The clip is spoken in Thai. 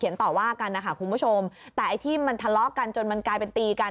พี่หนูถ่วยหนิพี่หนูก็มวงมือสู่กัน